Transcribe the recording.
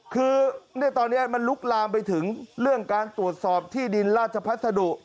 คือตอนนี้มันลุกลามไปถึงเรื่องการตรวจสอบที่ดินราชพัสดุ